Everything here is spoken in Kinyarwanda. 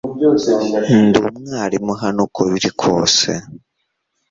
Ndi umwarimu hano uko biri kose